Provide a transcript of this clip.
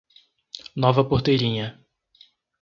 Nova Porteirinha